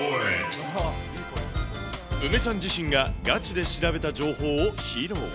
梅ちゃん自身がガチで調べた情報を披露。